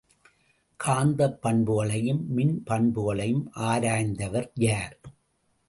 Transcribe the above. காந்தப் பண்புகளையும் மின் பண்புகளையும் ஆராய்ந்தவர் யார்?